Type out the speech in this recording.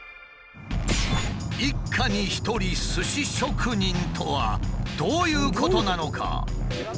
「一家に１人すし職人」とはどういうことなのか？